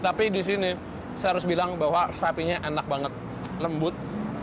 tapi di sini saya harus bilang bahwa sapinya enak banget lembut